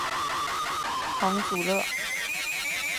庞祖勒。